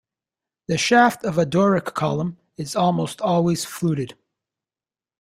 The shaft of a Doric Column is almost always fluted.